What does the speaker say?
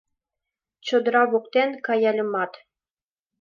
Чодыра воктен каяльымат